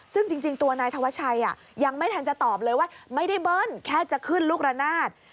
ซึ่งจริงตัวนายธวัชชัยยังไม่ทันจะตอบเลยว่าไม่ได้เบิ้ลแค่จะขึ้นลูกระนาด